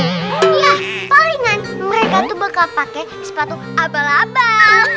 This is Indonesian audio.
iya palingan mereka tuh bakal pakai sepatu abal abal